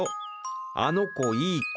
あの子いい子。